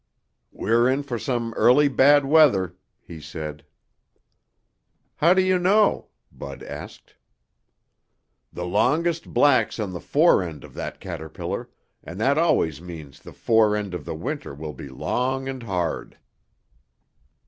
"We're in for some early bad weather," he said. "How do you know?" Bud asked. "The longest black's on the fore end of that caterpillar, and that always means the fore end of the winter will be long and hard."